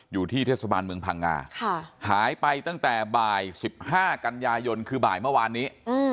อยู่ที่เทศบาลเมืองพังงาหายไปตั้งแต่บ่าย๑๕กันยายนคือบ่ายเมื่อวานนี้